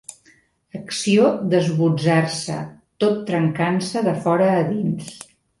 Acció d'esbotzar-se, tot trencant-se de fora a dins.